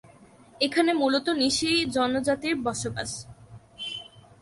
এখানে মূলত নিশি জনজাতির বসবাস।